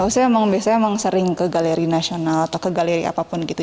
saya emang biasanya emang sering ke galeri nasional atau ke galeri apapun gitu